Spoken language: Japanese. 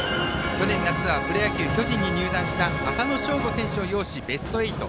去年夏はプロ野球、巨人に入団した浅野翔吾選手を擁し、ベスト８。